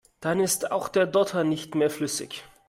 Dann ist auch der Dotter nicht mehr flüssig.